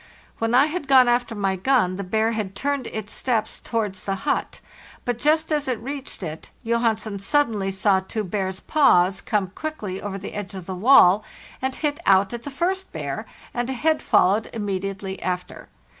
When I had gone after my gun the bear had turned its steps towards the hut; but just as it reached it Johansen suddenly saw two bear's paws come quickly over the edge of the wall and hit out at the first bear, and a head followed immediately after.